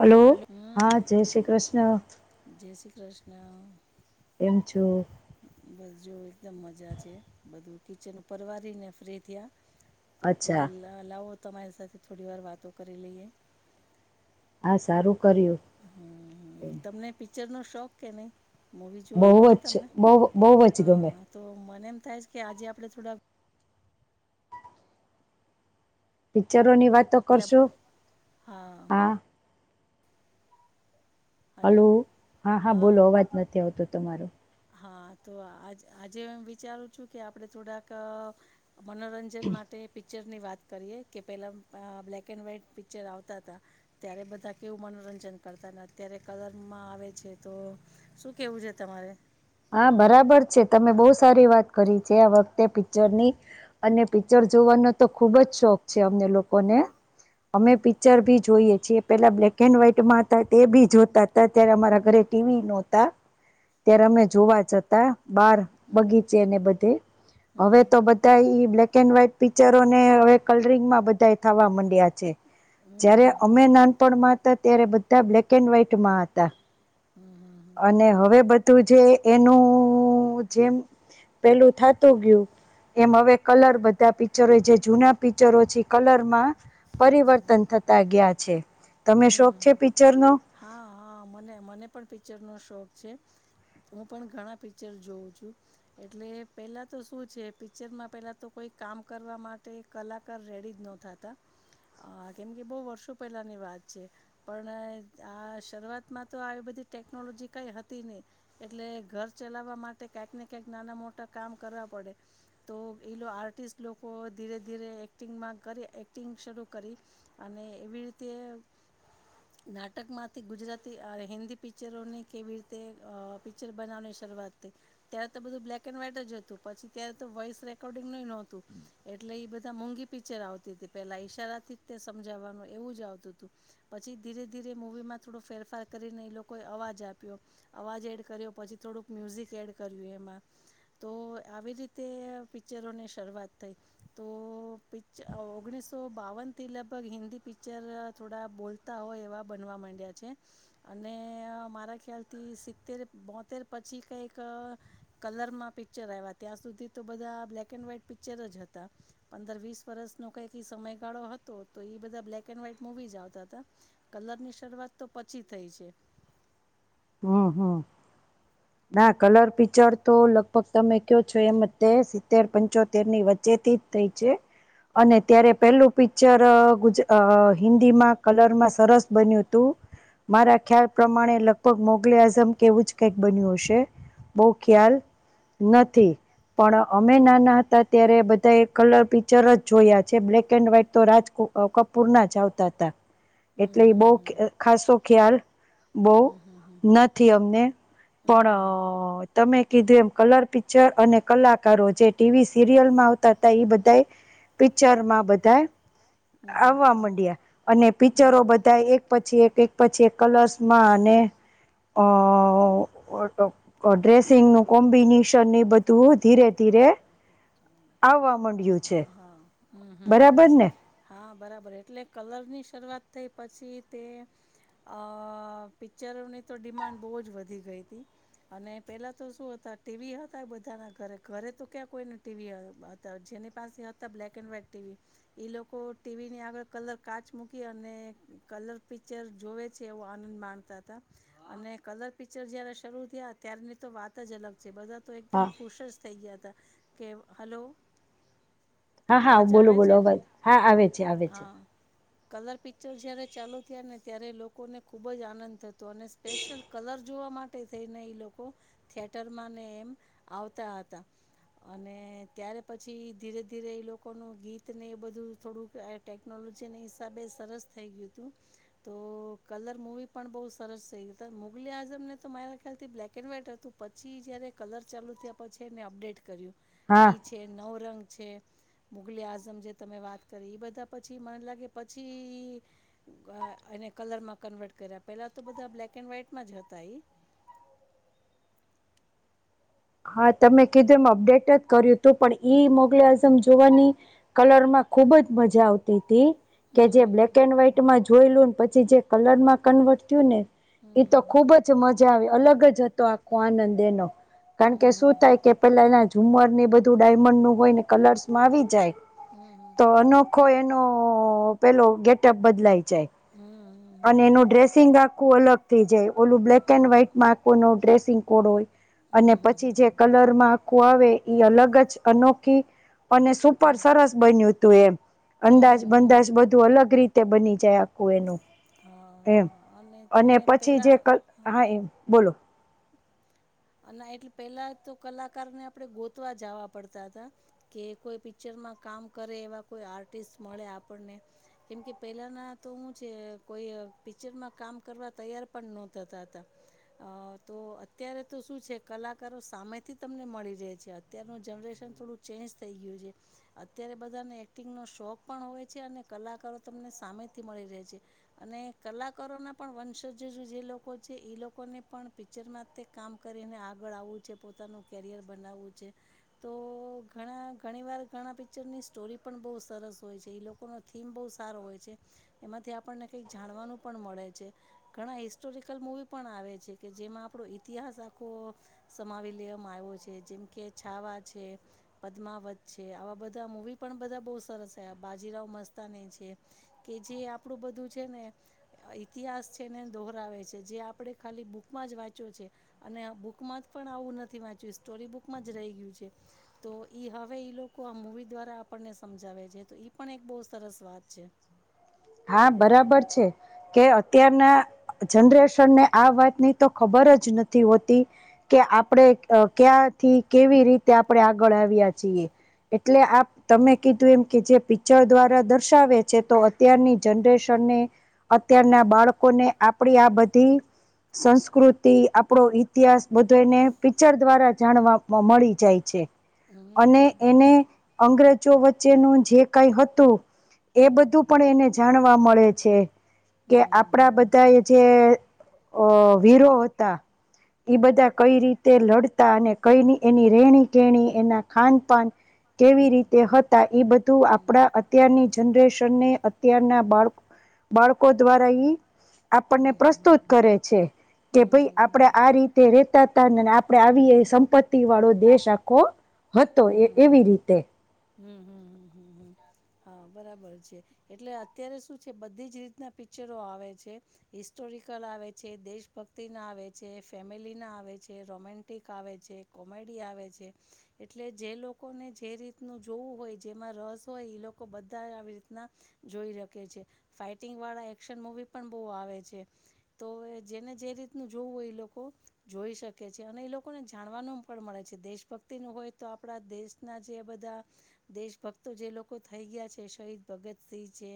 Hello hello હમ હા જય શ્રી કૃષ્ણ. જય શ્રી કૃષ્ણ. કેમ છો? બસ જોવ એકદમ મજા છે, બધું કિચન પરવા રહી ને ફ્રી થયા તો કીધુ અચ્છા, લ લા લાવો તમારી સાથે થોડી વાર વાતો કરી લઈએ. હા સારું કર્યું. હમ તમને પિક્ચરનો શોખ કે નહીં મૂવી જોવા બહુ ગમે જ તમને? બહુ બહુ જ ગમે હા તો મને એમ થાય કે આજે આપણે થોડા પિક્ચરો ની વાત તો પહેલા- કરશું હા હલો હા હા બોલો અવાજ નથી આવતો તમારો હા તો આ આજે એમ વિચારું છું, કે આપડ થોડાક મનોરંજન માટે પિક્ચર ની વાત કરીયએ કે પેલા અ બ્લેક એન્ડ વ્હાઈટ પિક્ચર આવતા હતા ત્યારે બધા કેવું મનોર રંજન કરતા અત્યારે કલરમાં આવે છે, તો શું કેવું છે તમારે? હા બરાબર છે, તમે બહુ સારી વાત કરી છે, આ વખતે પિક્ચર ની અને પિક્ચર જોવાનો તો ખુબ જ શોખ છે, અમને લોકોને અમે પિક્ચર ભી જોઈએ જે પેલા બ્લેક એન્ડ વ્હાઈટમાં હતા તે બી જોતા હતા ત્યારે અમારા ઘરે ટીવી નોતા ત્યારે અમે જોવા જતા બાર હમ બગીચે ને બધે અવે હમ તો બધા એ બ્લેક એન્ડ વ્હાઈટ પિક્ચરો ને હવે કલરિંગમાં બધા થવા માંડ્યા છે. જ્યારે હમ હમ અમે નાનપણમાં હતા ત્યારે બધા બ્લેક એન્ડ વ્હાઈટમાં હતા, હમ હમ અને હવે બધું જે એનું જેમ પેલું થાતું ગયું. એમ હવે કલર બધા પિક્ચરો જે જૂના પિક્ચરો છે, કલરમાં પરિવર્તન થ તા ગયા છે. તમે શોખ હમ છે પિક્ચરનો હા હા મ મને પણ પિક્ચર નો શોખ છે. હું પણ ઘણા પિક્ચર જોઉ છું, એટલે પેલા તો શું છે, પિક્ચરમાં પેલા તો કામ કરવા માટે કલાકાર રેડી જ નતાતા હા કેમ કે બહુ વર્ષો પેલા ની વાત છે પણ આ શરૂઆતમાં તો આવી બધી ટેકનોલોજી કાંઈ હતી નહી એટલે ઘર ચલાવા માટે કાઈક ને કંઈક નાના મોટા કામ કરવા પડે તો એ આર લોકો ધીરે ધીરે એક્ટિંગમાં કરી એક્ટિંગ શરૂ કરી અને એવી રીતે [inaudible] નાટકમાંથી ગુજરાતી અને હિન્દી પિક્ચરોની કેવી રીતે પિક્ચર બનાવવાની શરૂઆત? ત્યારે તો બધું બ્લેક એન્ડ વ્હાઈટ જ હતું પછી ત્યારે તો વોઇસ રેકોર્ડિંગ ન નોતું એટલે બધા મોંઘી પિક્ચર આવતી હતી પેલા ઈશારા થી જ તે સમજવાનું એવું જ આવતું હતું પછી ધીરે ધીરે મુવી માં થોડો ફેરફાર કરીને એ લોકો અવાજ આપ્યો અવાજ એડ પછી થોડુ મ્યૂઝિક એડ કર્યુ એમાં તો આવી રીતે પિક્ચરો ની શરૂવાત થઈ તો પિક્ચર ઓગણીસો બાવન થી લગભગ હિન્દી પિક્ચર થોડા બોલતા હોય એવા બનવા માંડ્યા છે, અને મારા ખ્યાલથી સિત્તેર બોતેર પછી કઈક કલરમાં પિક્ચર આવ્યા ત્યાં સુધી તો બધા બ્લેક એન્ડ વ્હાઈટ પિક્ચર જ હતા પંદર વીસ વર્ષ ન કઈક સમયગાળો હતો તો એ બધા બ્લેક એન્ડ વાઈટ મુવી જ આવતા હતા કલર ની શરૂઆત તો પછી થઈ છે. હા હા ના કલર પિકચર તો લગભગ તમે કયો છો એમ સિત્તેર પંચોતેર ની વચ ચેતીત થઈ છે. અને ત્યારે પેલું પિક્ચર ગુજ હિન્દીમાં કલરમાં સરસ બન્યું હતું. મારા ખ્યાલ પ્રમાણે લ ગ મોગલે આઝમ કેવું જ કઈક બન્યું હશે બહુ ખ્યાલ નથી. પણ અમે હમ નાના હતા ત્યારે બધા એ કલર પિક્ચર જ જોયા છે, બ્લેક એન્ડ વ્હાઈટ તો રાજક કપૂર ના જ આવતા હતા. એટલે એ બહ હમ ખાસો ખ્યાલ બહુ હમ હમ હમ હમ હમ નથી અમને હમ હમ હમ પણ તમે કીધું એમ કલર પિક્ચર અને કલાકારો જે ટીવી સિરિયલમાં આવતા હતા એ બધા પિક્ચર માં બધા હમ હમ આવવા હમ હમ માંડ્યા અને હમ પિક્ચરો હમ બધા એક પછી એક એક પછી એક કલર્સમાં અને અ ડ્રેસિંગ નું કોમ્બિનેશન એ બધું તું થઈ ધીરે નથી ધીરે આવવા માંડ્યું છે, હા હમ હમ હમ બરાબર હમ ને હા બરાબર એટલે કલર ની શ અ પિક્ચરોની તો ડિમાન્ડ બહુ જ વધી ગઈ હતી અને પેલા તો શું હતા ટીવી હતા બધાના ઘરે ઘરે તો ક્યાં કોઈને ટીવી હતા જેની પાસે હતા બ્લેક એન્ડ વ્હાઈટ ટીવી એ લોકો ટીવીની આગળ કલર કાચ મૂકી અને કલર પિક્ચર જોવે છે એવો આનંદ માણતા હતા. અને કલર પિક્ચર જે હા થઈ ગયા તા કે હલો હા હા અવાજ બોલો આવે બોલો છે અવાજ હા આવે છે આવે છે હા કલર પિક્ચર જયારે ચાલુ થ્યા ને ત્યારે લોકોને ખુબ જ આનંદ થ તો સ્પેશિયલ કલર જોવા માટે થઈને લોકો થિયેટર માં ને એમ આવતા હતા અને ત્યારે પછી ધીરે ધીરે એ લોકો ન ગીત ને એ બધું થોડુંક ટેકનોલો છે ને સાથે સરસ થઈ ગયું તું તો કલર મૂવી પણ બહુ સરસ થયું મુગલી આઝમ ને તો મારા ખ્યાલથી બ્લેક એન્ડ વ્હાઈટ હતું પછી જયારે કલર ચાલુ છે ને અપડેટ કર્યું હા ઈ છે નવ રંગ છે મુઘલે આઝમ જે એ કલરમાં કન્વર્ટ કર્યા પેલા તો બધા બ્લેક એન્ડ વ્હાઈટમાં જ હતા [inaudible] હા તમે કીધું એમ ખુબ જ મજા આવતી હતી કે હમ જે બ્લેક હમ એન્ડ વ્હાઈટમાં જોયલું ને પછી જે કલર માં કન્વર્ટ થયું ને એ તો હમ ખુબ જ મજા આવી અલગ જ હતો આખો આનંદ એનો કારણ કે શું હમ થાય કે પેલા એના ઝુમર ને બધું ડાયમંડ નું હોય ને કલર્સમાં આવી જાય હમ્મ. હમ્મ. આખો એનો પેલો ગેટઅપ બદલાય જાય હમ અને હમ એનું ડ્રેસિંગ આખું અલગ થઈ જાય ઓલું બ્લેક હમ હમ હમ એન્ડ વ્હાઈટમાં આખો ન ડ્રેસિંગ કોડ હોય અને હમ હમ હમ હમ હમ હમ પછી અને સુપર હમ હમ સરસ બન્યું તું એમ અંદાજ હમ બંદાજ હમ બધું અલગ રીત ત્યાં બની જાય આખું અનુ એમ અને પછી જે હા બોલો અને એટલે પેલા તો કલાકારને આપડે ગોતવા જવા પડતા હતા કે કોઈ પિક્ચર કેમકે આપવાને પહેલાંના આર્ટસ મળે આપને કેમકે પેલા ના તો હું છે કોઈ પિક્ચરમાં કામ કરવા તૈયાર પણ ન થતા હતા તો અત્યારે તો શું છે કલાકારો સામેથી તમને મળી રહે છે અત્યારનું જનરેશન થોડું ચેન્જ થઈ ગયું છે. અત્યારે બધાને એક્ટિંગ નો શોખ પણ હોય છે, અને કલાકારો તમને સામેથી મળી રહે છે. અને કલાકારોના પણ વંશજુ જે લોકો છે એ લોકોને પણ પિક્ચરમાં કામ કરીને આગળ આવવું છે પોતાનું કેરિયર બનાવવું છે તો ઘણા ઘણી વાર ઘણા પિક્ચર ની સ્ટોરી પણ બ સરસ હોય છે, લોકોનો થીમ બહુ સારો હોય છે એમ ત્યાં પન જાણવાનું મળે છે, ઘણા હિસ્ટોરિકલ મુવી પણ આવે છે કે જેમાં આપણું ઇતિહાસ આખો સમાવ લેવામાં આવ્યો છે જેમકે છાવા છે પદ્માવત છે આવા બધા મુવી પણ બધા બ સરસ છે બાજીરાવ મસ્તાને છે કે જે આપડું છે, ને ઇતિહાસ છે ને દોહરાવે છે જે આપણે ખાલી બુક માં જ વાંચ્યો છે. અને બુકમાં જ પણ આવું નથી વાંચ્યું સ્ટોરી બુક માં જ રહી ગયું છે, તો ઈ હવે એ લોકો આ મુવી દ્વારા આપણને સમજાવે છે તો પણ એક બહુ સરસ વાત છે હા બરાબર છે કે અત્યારના જનરેશન ને આ વાતની તો ખબર જ નથી હોતી કે કે આપણે ક્યાંથી કેવી રીતે આપડણે આગળ આવ્યા છીએ એટલે આપ તમે કીધું એમ કે જે પિક્ચર દ્વારા દર્શાવે છે તો અત્યારની જનરેશનને અત્યારના બાળકોને આપડી આ બધી સંસ્કૃતિ આપણો ઈતિહાસ બધો એને પિક્ચર દ્વારા જાણવા મળી જાય છે. કે. અને હમ. એને અંગ્રેજો વચ્ચેનું જે કઈ હતું એ બધું. પણ એને જાણવા મળે છે. કે હમ આપણા બધા એ જે અ વીરો હતા. એ બધા કઈ રીતે લડતા અને કઈ એની રહેણી કેણી એના ખાનપાન, હમ. કેવી રીતે હતા એ બધું હમ આપણા અત્યારની જનરેશન ને. અત્યારના બાળ બાળકો દ્વારા ઈ હમ આપણને હમ હમ હમ પ્રસ્તુત કરે છે. હમ કે ભાઈ આપણેે આ રીતે રેતા હતા આપે આવી એ સંપત્તિ વાળો દેશ આખો હતો એ એવી રીતે. હમ્મ હમ્મ હમ્મ હમ્મ. હા બરાબર છે એટલે અત્યારે શું છે બધી જ રીતના પિક્ચરો આવે છે હિસ્ટો. રિકલ આવે છે દેશભક્તિ ના આવે છે ફેમિલી ના આવે છે રોમેન્ટિક આવે છે. મળી આવે છે એટલે જે લોકોને જે રીતે. જોવું હોય જેમાં રસ હોય લોકો બધા આવી રીતના જોઈ શકે છે ફઇટિંગ એકશન મુવી પણ બહુ આવે છે તો જેને જે રીતનું જોવું હોય એ. જોઈ શકે છે, અને એ લોકોને જાણવાનું પણ મળે છે દેશભક્તિનું હોય તો આપણા દેશના જે બધા. દેશ ભક્તો જે લોકો થઈ ગયા છે શહીદ ભગતસિંહ છે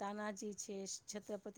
તાનાજી છે. છત્રપતિ.